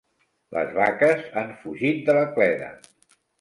Les vaques han fugit de la cleda.